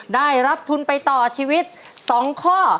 ได้รับทุนไปต่อชีวิต๒ข้อ